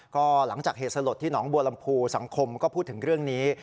ก็หลังจากเหตุสลดที่หนองบัวลำพูสังคมก็พูดถึงเรื่องนี้